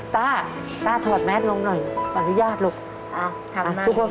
ถามงานนึง